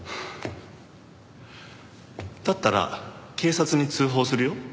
だったら警察に通報するよ？